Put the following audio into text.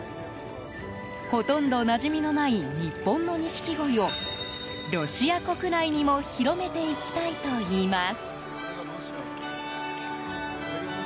ほとんどなじみのない日本の錦鯉をロシア国内にも広めていきたいといいます。